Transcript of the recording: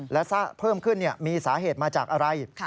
และเพิ่มขึ้นมีสาเหตุมาจากอะไร